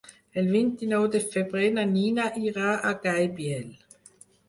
El vint-i-nou de febrer na Nina irà a Gaibiel.